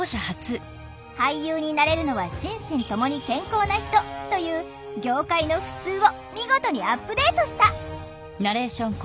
「俳優になれるのは心身ともに健康な人」という業界のふつうを見事にアップデートした！